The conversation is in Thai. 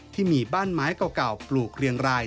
ที่มีบ้านไม้เก่าปลูกเรียงราย